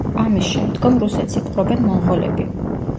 ამის შემდგომ რუსეთს იპყრობენ მონღოლები.